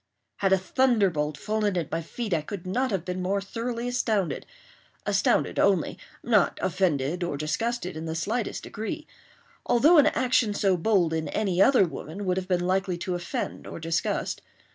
Had a thunderbolt fallen at my feet I could not have been more thoroughly astounded—astounded only—not offended or disgusted in the slightest degree; although an action so bold in any other woman would have been likely to offend or disgust.